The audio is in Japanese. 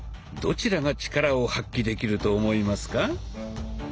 どちらがチカラを発揮できると思いますか？